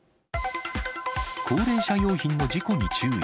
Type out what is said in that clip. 高齢者用品の事故に注意。